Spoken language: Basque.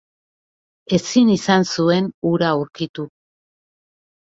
Ezin izan zuen ura aurkitu.